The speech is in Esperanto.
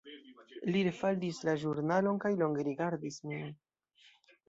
Li refaldis la ĵurnalon kaj longe rigardis min.